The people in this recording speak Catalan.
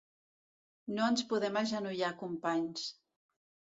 No ens podem agenollar companys.